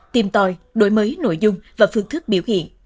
tìm tòi đổi mới nội dung và phương thức biểu hiện